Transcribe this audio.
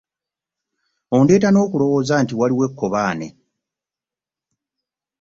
Ondeeta n'okulowooza nti waliwo ekkobaane.